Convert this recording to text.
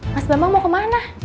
mas bambang mau kemana